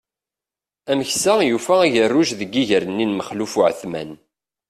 Ameksa yufa agerruj deg iger-nni n Maxluf Uεetman.